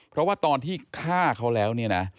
เพราะว่าตอนที่ฆ่าเขาแล้ว